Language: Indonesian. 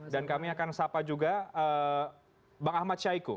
dan kami akan sapa juga bang ahmad syahiku